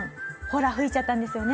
ホラ吹いちゃったんですよね？